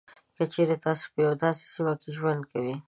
که چېري تاسو په یوه داسې سیمه کې ژوند کوئ.